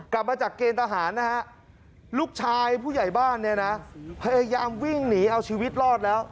กลับมาจากเกณฑ์ทหารนะฮะลูกชายผู้ใหญ่บ้านเนี่ยนะพยายามวิ่งหนีเอาชีวิตรอดแล้ว